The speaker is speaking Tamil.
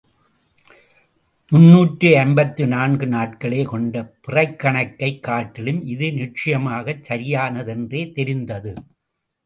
முன்னூற்று ஐம்பத்து நான்கு நாட்களே கொண்ட பிறைக்கணக்கைக் காட்டிலும் இது நிச்சயமாகச் சரியானதென்றே தெரிந்தது.